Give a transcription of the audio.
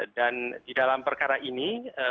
dan di dalam perkara ini